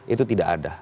itu tidak ada